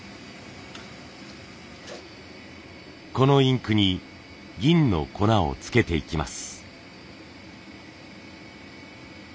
このインクに銀の粉をつけていきます。